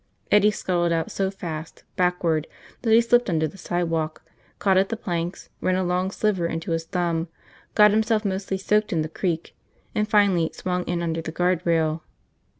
Eddie scuttled out so fast, backward, that he slipped under the sidewalk, caught at the planks, ran a long sliver into his thumb, got himself mostly soaked in the creek, and finally swung in under the guard rail.